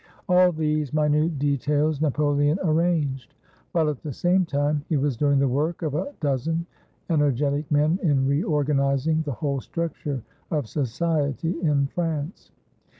All these minute details Napoleon arranged, while at the same tune he was doing the work of a dozen energetic men in reorganizing the whole structure of society in France.